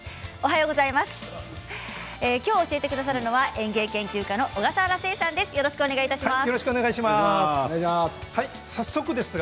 きょう教えてくださるのは園芸研究家の小笠原誓さんです。